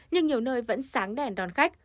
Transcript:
nhưng nhiều nơi vẫn sáng đèn đón khách